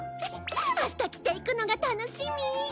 明日着ていくのが楽しみ。